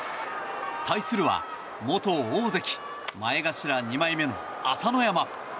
対するは元大関・前頭二枚目の朝乃山。